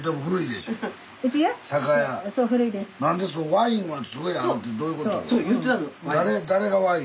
ワインはすごいあるってどういうこと？